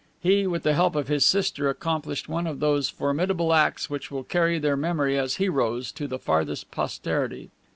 He, with the help of his sister, accomplished one of those formidable acts which will carry their memory as heroes to the farthest posterity.